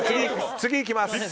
次行きます。